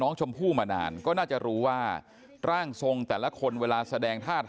นั่งนั่งนั่งนั่งนั่งนั่งนั่งนั่งนั่งนั่งนั่งนั่งนั่งนั่งนั่ง